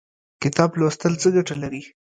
کتاب لوستل څه ګټه لري؟